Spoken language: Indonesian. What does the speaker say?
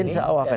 insya allah cepat